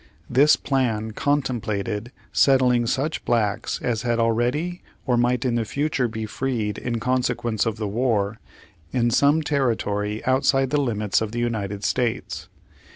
This plan contem plated settling such blacks as had already, or might in the future be freed in consequence of the war, in some territory outside the limits of the United States.